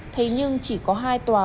thế nhưng chỉ có hai tòa